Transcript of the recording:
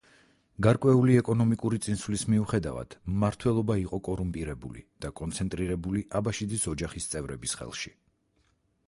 გარკვეული ეკონომიკური წინსვლის მიუხედავად მმართველობა იყო კორუმპირებული და კონცენტრირებული აბაშიძის ოჯახის წევრების ხელში.